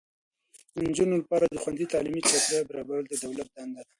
د نجونو لپاره د خوندي تعلیمي چاپیریال برابرول د دولت دنده ده.